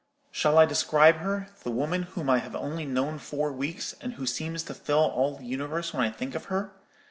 Shall I describe her,—the woman whom I have only known four weeks, and who seems to fill all the universe when I think of her?